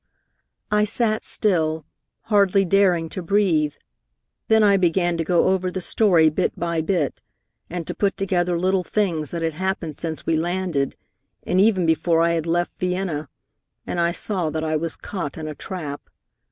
"I sat still, hardly daring to breathe. Then I began to go over the story bit by bit, and to put together little things that had happened since we landed, and even before I had left Vienna; and I saw that I was caught in a trap.